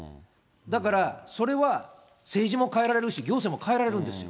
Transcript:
だから、それは政治も変えられるし、行政も変えられるんですよ。